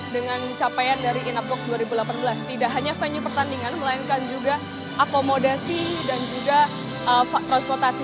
dengan capaian dari inap work dua ribu delapan belas tidak hanya venue pertandingan melainkan juga akomodasi dan juga transportasi